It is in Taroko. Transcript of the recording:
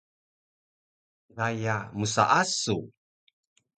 Gaya msaasu